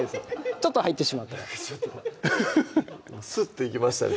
ちょっと入ってしまうとスッといきましたね